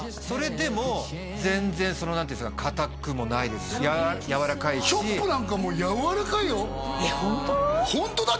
それでも全然何ていうんですかかたくもないですしやわらかいしチョップなんかもうやわらかいよえっホント？